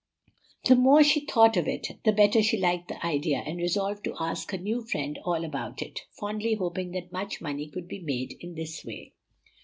The more she thought of it, the better she liked the idea, and resolved to ask her new friend all about it, fondly hoping that much money could be made in this way.